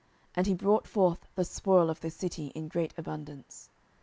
And he brought forth the spoil of the city in great abundance.